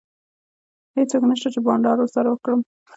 هیڅوک نشته چي بانډار ورسره وکړم.